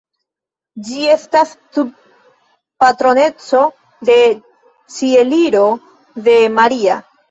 Ĝi estas sub patroneco de Ĉieliro de Maria.